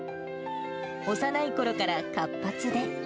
幼いころから活発で。